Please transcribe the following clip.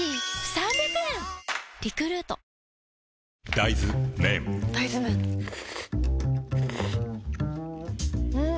大豆麺ん？